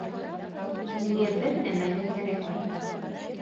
Миңә бер нәмә лә кәрәкмәй.